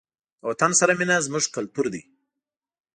د وطن سره مینه زموږ کلتور دی.